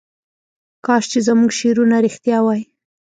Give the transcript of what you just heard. کاش چې زموږ شعرونه رښتیا وای.